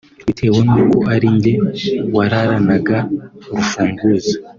Bitewe n’uko ari njye wararanaga urufunguzo